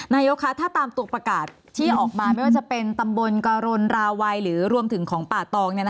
นายกคะถ้าตามตัวประกาศที่ออกมาไม่ว่าจะเป็นตำบลกรณราวัยหรือรวมถึงของป่าตอง